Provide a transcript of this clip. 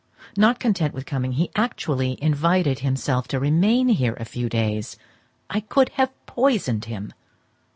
Not content with coming, he actually invited himself to remain here a few days. I could have poisoned him!